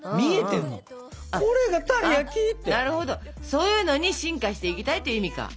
そういうのに進化していきたいっていう意味か。